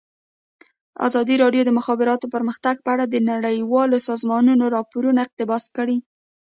ازادي راډیو د د مخابراتو پرمختګ په اړه د نړیوالو سازمانونو راپورونه اقتباس کړي.